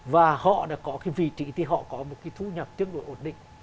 và họ đã có cái vị trí thì họ có một cái thu nhập rất là ổn định